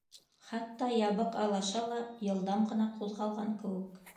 Хатта ябыҡ алаша ла йылдам ғына ҡуҙғалған кеүек.